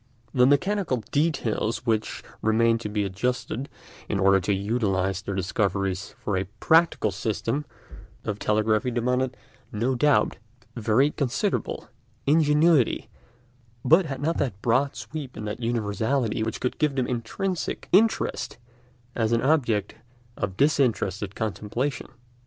The mechanical details which remained to be adjusted in order to utilise their discoveries for a practical system of telegraphy demanded, no doubt, very considerable ingenuity, but had not that broad sweep and that universality which could give them intrinsic interest as an object of disinterested contemplation.